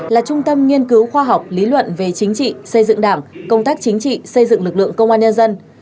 là trung tâm nghiên cứu khoa học lý luận về chính trị xây dựng đảng công tác chính trị xây dựng lực lượng công an nhân dân